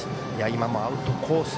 今もアウトコース